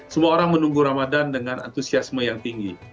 semua orang menunggu ramadan dengan antusiasme yang tinggi